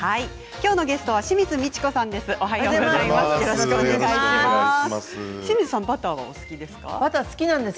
きょうのゲストは清水ミチコさんです。